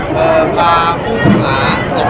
มุมการก็แจ้งแล้วเข้ากลับมานะครับ